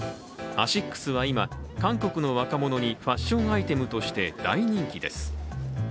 アシックスは今、韓国の若者にファッションアイテムとして大人気です。